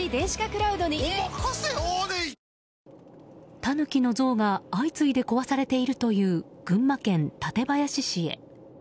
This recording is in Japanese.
タヌキの像が相次いで壊されているという群馬県館林市へ。